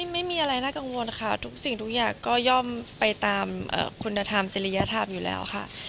ไม่มีอะไรน่ากังวลตามศาสตร์ที่สิ่งทุกอย่างก็ก็ย่อมไปตามคุณธรรมที่เราครองทำ